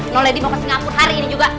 no lady mau ke singapura hari ini juga